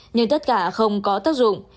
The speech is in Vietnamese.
nhưng tất cả không có tác dụng